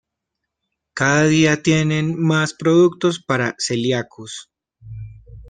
Cada día tienen más productos para celíacos.